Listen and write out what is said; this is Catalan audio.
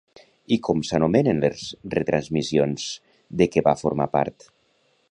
I com s'anomenen les retransmissions de què va formar part?